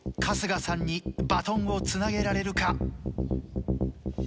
春日さんにバトンをつなげられるか。